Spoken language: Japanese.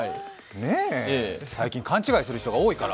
最近、カン違いする人が多いから。